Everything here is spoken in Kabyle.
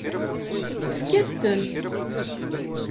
Efk-as-ten.